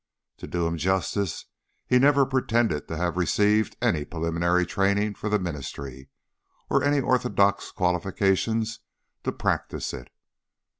To do him justice, he never pretended to have received any preliminary training for the ministry, or any orthodox qualification to practise it.